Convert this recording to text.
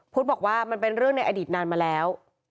บอกว่ามันเป็นเรื่องในอดีตนานมาแล้ว